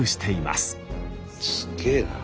すげえな。